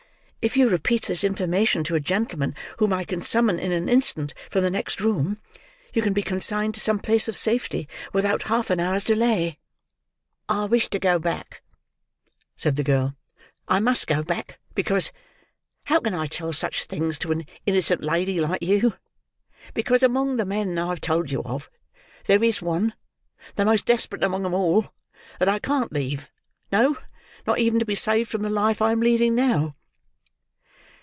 If you repeat this information to a gentleman whom I can summon in an instant from the next room, you can be consigned to some place of safety without half an hour's delay." "I wish to go back," said the girl. "I must go back, because—how can I tell such things to an innocent lady like you?—because among the men I have told you of, there is one: the most desperate among them all; that I can't leave: no, not even to be saved from the life I am leading now."